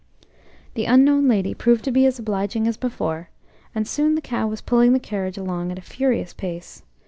The unknown lady proved to be as obliging as before, and soon the cow was pulling the carriage along at a furious pace.